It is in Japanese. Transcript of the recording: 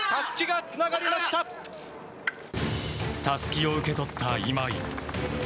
たすきを受け取った今井。